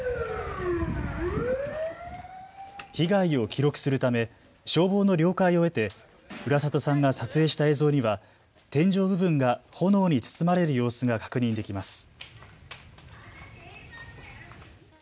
被害を記録するため消防の了解を得て浦里さんが撮影した映像には天井部分が炎に包まれる様子が確認できます。